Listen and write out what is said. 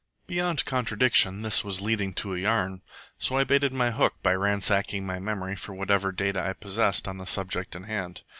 Beyond contradiction, this was leading to a yarn; so I baited my hook by ransacking my memory for whatever data I possessed on the subject in hand.